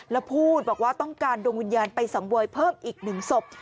แล้วพูดบอกว่าต้องการดวงวิญญาณไปสังเวยเพิ่มอีก๑ศพ